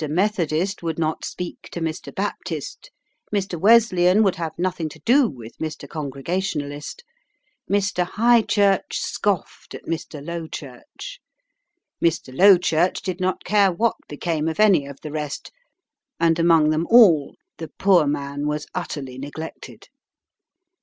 Methodist would not speak to Mr. Baptist, Mr. Wesleyan would have nothing to do with Mr. Congregationalist, Mr. High Church scoffed at Mr. Low Church, Mr. Low Church did not care what became of any of the rest, and among them all the poor man was utterly neglected.